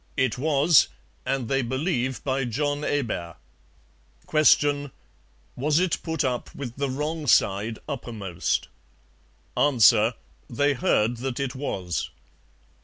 It was, and they believe by John Hebert. Q. Was it put up with the wrong side uppermost? A. They heard that it was.